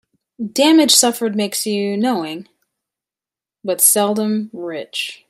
Damage suffered makes you knowing, but seldom rich.